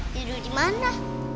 tidur di mana